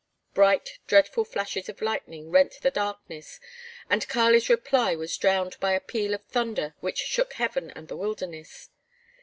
Bright, dreadful flashes of lightning rent the darkness and Kali's reply was drowned by a peal of thunder which shook heaven and the wilderness.